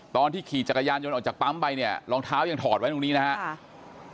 ขี่จักรยานยนต์ออกจากปั๊มไปเนี่ยรองเท้ายังถอดไว้ตรงนี้นะครับ